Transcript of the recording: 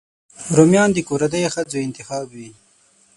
رومیان د کورنۍ ښځو انتخاب وي